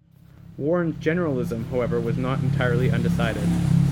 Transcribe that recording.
Warren's generalism, however, was not entirely undecided.